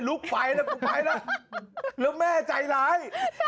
แล้วแม่ใจร้าย